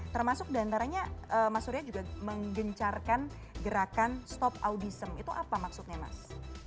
termasuk diantaranya mas surya juga menggencarkan gerakan stop audism itu apa maksudnya mas